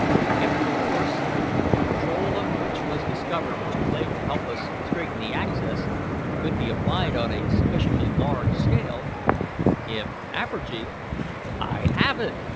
If the force, the control of which was discovered too late to help us straighten the axis, could be applied on a sufficiently large scale; if apergy " "I have it!"